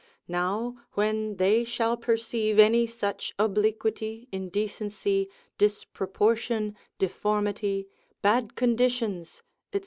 Now when they shall perceive any such obliquity, indecency, disproportion, deformity, bad conditions, &c.